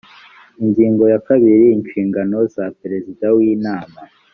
ingingo ya kabiri inshingano za perezida w inama